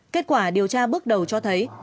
kết quả điều tra bước đầu cho thấy